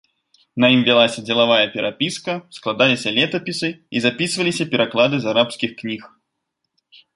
На ім вялася дзелавая перапіска, складаліся летапісы і запісваліся пераклады з арабскіх кніг.